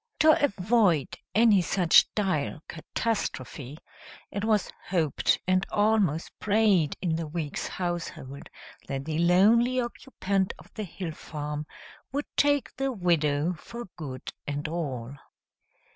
To avoid any such dire catastrophe, it was hoped and almost prayed in the Weeks household that the lonely occupant of the hill farm would take the widow for good and all.